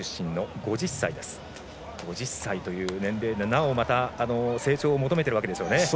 ５０歳という年齢でなおまた成長を求めているわけですね。